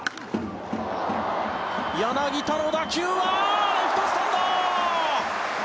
柳田の打球はレフトスタンド！